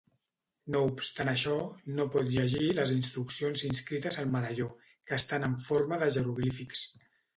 No obstant això, no pot llegir les instruccions inscrites al medalló, que estan en forma de jeroglífics.